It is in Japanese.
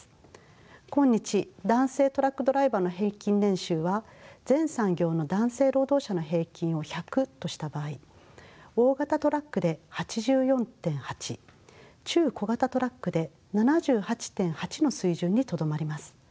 今日男性トラックドライバーの平均年収は全産業の男性労働者の平均を１００とした場合大型トラックで８４．８中小型トラックで７８．８の水準にとどまります。